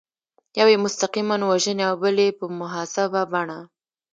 یو یې مستقیماً وژني او بل یې په مهذبه بڼه.